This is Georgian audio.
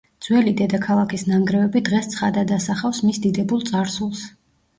ძველი დედაქალაქის ნანგრევები დღეს ცხადად ასახავს მის დიდებულ წარსულს.